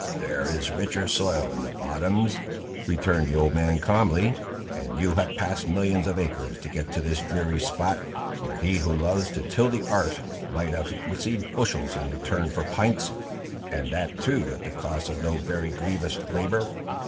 "There is richer soil in the bottoms," returned the old man calmly, "and you have passed millions of acres to get to this dreary spot, where he who loves to till the 'arth might have received bushels in return for pints, and that too at the cost of no very grievous labour.